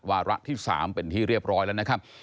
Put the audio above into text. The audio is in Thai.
วาระที่๓เป็นที่เรียบร้อยแล้วนะครับ